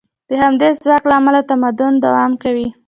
د همدې ځواک له امله تمدن دوام کوي.